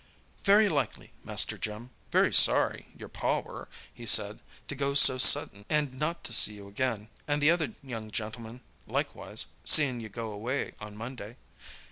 "Very like, Master Jim. Very sorry, your Pa were, he said, to go so suddint, and not to see you again, and the other young gentlemen likewise, seein' you go away on Monday.